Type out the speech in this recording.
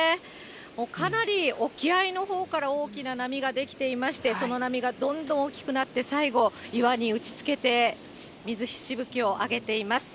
かなり沖合のほうから大きな波ができていまして、その波がどんどん大きくなって、最後、岩に打ちつけて、水しぶきを上げています。